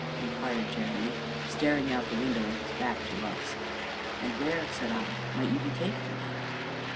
inquired Jeremy, staring out of the window, with his back to us. "And where," said I, "where might you be taking me?"